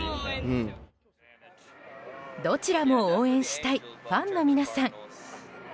どちらも応援したいファンの皆さん。